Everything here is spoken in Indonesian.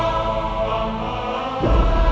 aku tidak tahu diri